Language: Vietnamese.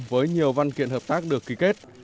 với nhiều văn kiện hợp tác được ký kết